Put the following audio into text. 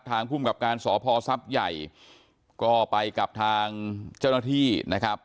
ทางคุมกับการสอพทรัพย์ใหญ่ก็ไปกับทางเจ้าหน้าที่นะครับ